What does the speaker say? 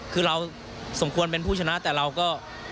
คือเราสมควรเป็นผู้ชนะแต่เราก็